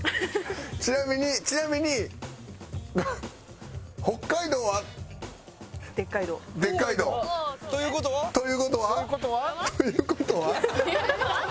ちなみにちなみにフフッ北海道は？という事は？という事は？